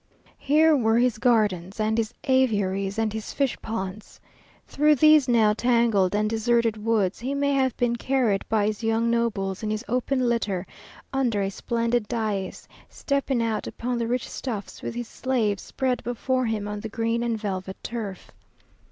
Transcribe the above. Here were his gardens, and his aviaries, and his fish ponds. Through these now tangled and deserted woods, he may have been carried by his young nobles in his open litter, under a splendid dais, stepping out upon the rich stuffs which his slaves spread before him on the green and velvet turf.